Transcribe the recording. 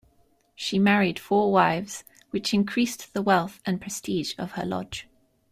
She married four wives, which increased the wealth and prestige of her lodge.